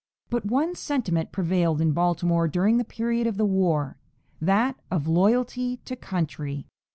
But one sentiment prevailed in Baltimore during the period of the war that of loyalty to country.